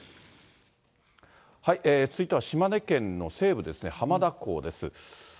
続いては島根県の西部ですね、浜田港です。